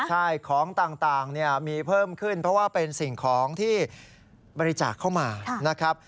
ใช่ของต่างมีเพิ่มขึ้นเพราะว่าเป็นสิ่งของที่บริจาคเข้ามานะครับ